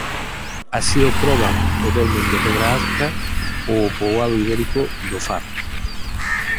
Así o proban o dolmen de Pedra Arca ou o poboado ibérico do "Far".